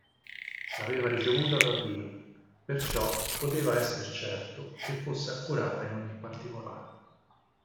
L'aveva ricevuta da Dio, perciò poteva esser certo che fosse accurata in ogni particolare.